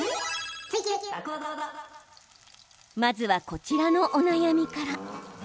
まずは、こちらのお悩みから。